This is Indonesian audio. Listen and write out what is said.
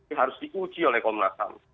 ini harus diuji oleh komnas ham